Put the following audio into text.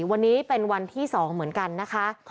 วันนี้เป็นวันที่๒เหมือนกันนะคะ